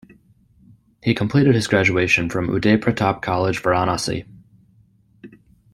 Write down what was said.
He completed his graduation from uday pratap college varanasi.